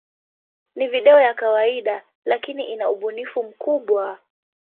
Ni video ya kawaida, lakini ina ubunifu mkubwa.